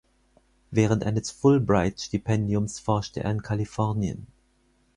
Während eines Fulbright-Stipendiums forschte er in Kalifornien.